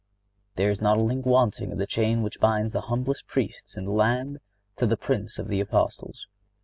There is not a link wanting in the chain which binds the humblest Priest in the land to the Prince of the Apostles.